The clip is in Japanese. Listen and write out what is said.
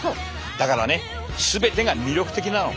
だからね全てが魅力的なの。